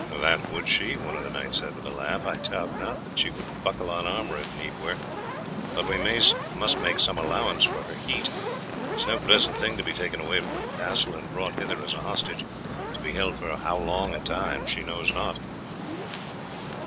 "That would she," one of the knights said with a laugh. "I doubt not that she would buckle on armour if need were. But we must make some allowance for her heat; it is no pleasant thing to be taken away from her castle and brought hither as a hostage, to be held for how long a time she knows not."